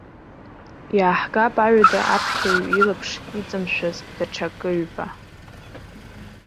Иааҳгап аҩада аԥхьаҩ илаԥш иҵамшәаз даҽа акыҩба.